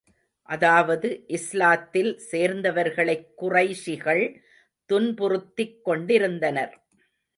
அதாவது, இஸ்லாத்தில் சேர்ந்தவர்களைக் குறைஷிகள் துன்புறுத்திக் கொண்டிருந்தனர்.